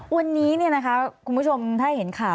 วันนี้คุณผู้ชมถ้าเห็นข่าว